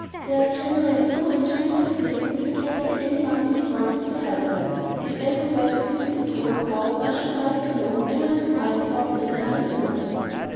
They are generally so rich and thrifty, that scarcely any money is wanted to help them. If every word of this is true, how, I should like to know am I to write about Literary Snobs?